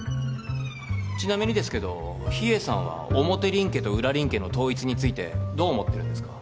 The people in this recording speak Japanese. ちなみにですけど秘影さんは表林家と裏林家の統一についてどう思ってるんですか？